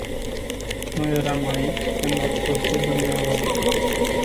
Nu eram aici când ați sosit dvs.